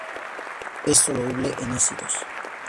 Es soluble en ácidos.